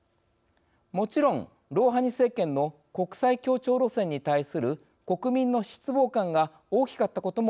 もちろんロウハニ政権の国際協調路線に対する国民の失望感が大きかったことも重要です。